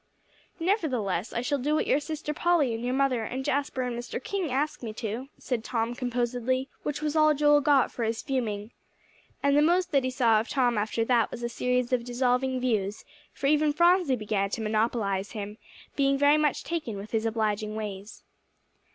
"Nevertheless, I shall do what your sister Polly and your mother and Jasper and Mr. King ask me to do," said Tom composedly, which was all Joel got for his fuming. And the most that he saw of Tom after that was a series of dissolving views, for even Phronsie began to monopolize him, being very much taken with his obliging ways.